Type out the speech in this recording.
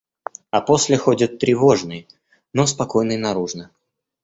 А после ходит тревожный, но спокойный наружно.